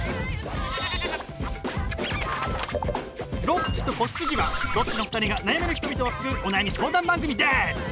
「ロッチと子羊」はロッチの２人が悩める人々を救うお悩み相談番組です！